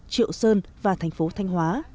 triệu sơn và thành phố thanh hóa